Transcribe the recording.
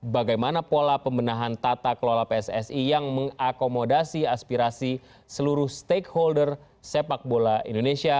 bagaimana pola pemenahan tata kelola pssi yang mengakomodasi aspirasi seluruh stakeholder sepak bola indonesia